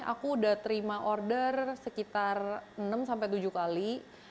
aku udah terima order sekitar enam sampai tujuh kali